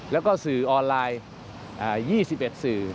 แล้วก็สื่อออนไลน์๒๑สื่อ